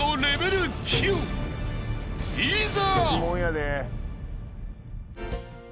［いざ！］